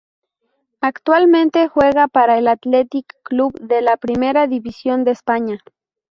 Actualmente juega para el Athletic Club de la Primera División de España.